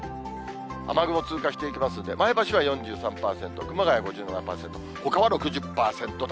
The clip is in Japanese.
雨雲通過していきますので、前橋は４３％、熊谷５７％、ほかは６０％台。